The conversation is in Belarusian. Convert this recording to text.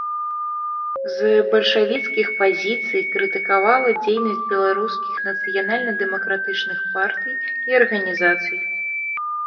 З бальшавіцкіх пазіцый крытыкавала дзейнасць беларускіх нацыянальна-дэмакратычных партый і арганізацый.